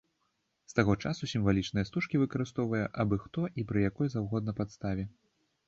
З таго часу сімвалічныя стужкі выкарыстоўвае абы-хто і пры якой заўгодна падставе.